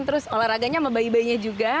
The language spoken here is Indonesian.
terus olahraganya sama bayi bayinya juga